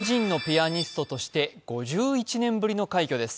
日本人のピアニストとして５１年ぶりの快挙です。